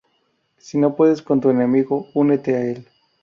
Si no puedes con tu enemigo, únete a él